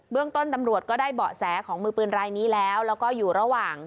เรื่องต้นตำรวจก็ได้เบาะแสของมือปืนรายนี้แล้วแล้วก็อยู่ระหว่าง